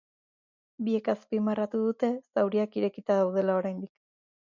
Biek azpimarratu dute zauriak irekita daudela oraindik.